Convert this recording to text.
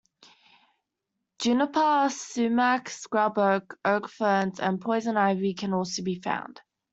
Juniper, sumac, scrub oak, oak ferns and poison ivy can also be found.